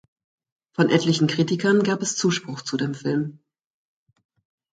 Von etlichen Kritikern gab es Zuspruch zu dem Film.